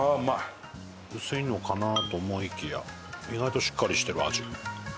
富澤：薄いのかなと思いきや意外としっかりしてる味。